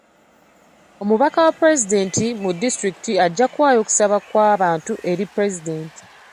Omubaka wa pulezidenti mu disitulikiti ajja kuwaayo okusaba kw'abantu eri pulezidenti.